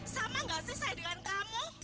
sama gak sih saya dengan kamu